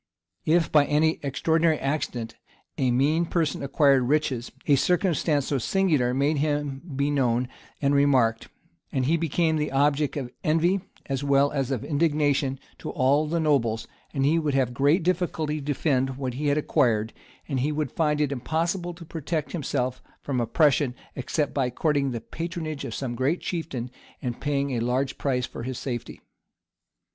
If, by any extraordinary accident, a mean person acquired riches, a circumstance so singular made him be known and remarked; he became the object of envy, as well as of indignation, to all the nobles; he would have great difficulty to defend what he had acquired; and he would find it impossible to protect himself from oppression, except by courting the patronage of some great chieftain, and paying a large price for his safety.